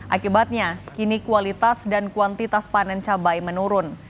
akibatnya kini kualitas dan kuantitas panen cabai menurun